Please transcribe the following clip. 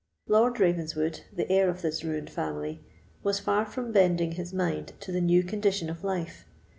Lord Ravenswood, the heir of this ruined family, was far from bending his mind to his new condition of life.